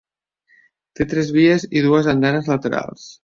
Té tres vies i dues andanes laterals.